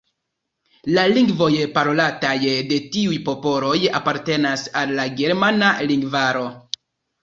La lingvoj parolataj de tiuj popoloj apartenas al la ĝermana lingvaro.